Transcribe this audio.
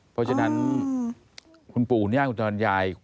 เพราะฉะนั้นคุณปู่คุณย่าคุณตารยาย